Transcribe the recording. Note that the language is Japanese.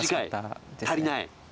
足りない。